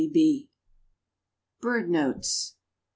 ] BIRD NOTES.